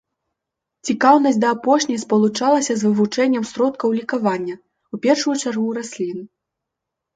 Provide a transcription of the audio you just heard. Цікаўнасць да апошняй спалучалася з вывучэннем сродкаў лекавання, у першую чаргу раслін.